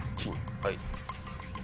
はい。